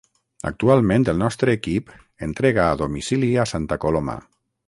Actualment el nostre equip entrega a domicili a Santa Coloma.